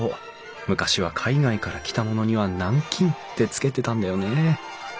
昔は海外から来たものには南京って付けてたんだよね。